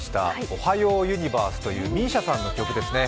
「おはようユニバース」というＭＩＳＩＡさんの曲ですね。